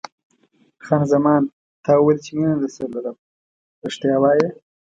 خان زمان: تا وویل چې مینه درسره لرم، رښتیا وایې؟